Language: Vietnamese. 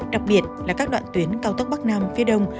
đặc biệt là các đoạn tuyến cao tốc bắc nam phía đông